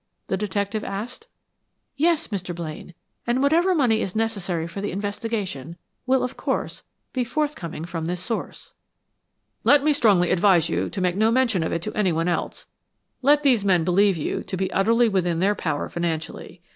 the detective asked. "Yes, Mr. Blaine. And whatever money is necessary for the investigation, will, of course, be forthcoming from this source." "Let me strongly advise you to make no mention of it to anyone else; let these men believe you to be utterly within their power financially.